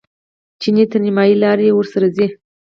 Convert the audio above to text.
چیني تر نیمایي لارې ورسره ځي.